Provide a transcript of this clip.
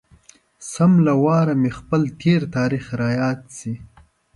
سم له واره مې خپل تېر تاريخ را یاد شي.